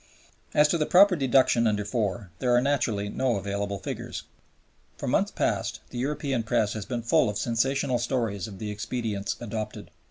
As to the proper deduction under (iv.) there are naturally no available figures. For months past the European press has been full of sensational stories of the expedients adopted.